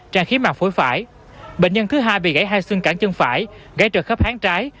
tràn khí màng phổi phải bệnh nhân thứ hai bị gãy hai xương cản chân phải gãy trực khớp hán trái